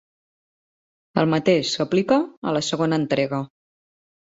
El mateix s'aplica a la segona entrega.